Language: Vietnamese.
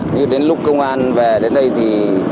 như đến lúc công an về đến đây thì